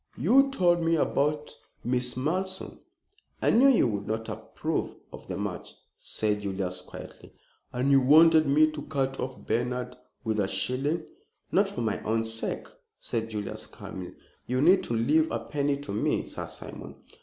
You told me about Miss Malleson." "I knew you would not approve of the match," said Julius, quietly. "And you wanted me to cut off Bernard with a shilling " "Not for my own sake," said Julius, calmly. "You need not leave a penny to me, Sir Simon."